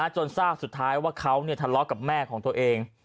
จนทราบสุดท้ายว่าเขาทะเลาะกับแม่ของตัวเอง